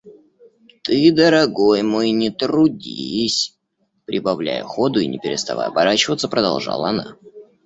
– Ты, дорогой мой, не трудись! – прибавляя ходу и не переставая оборачиваться, продолжала она.